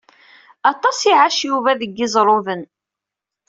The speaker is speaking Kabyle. Aṭas i iɛac Yuba deg Iẓerruden.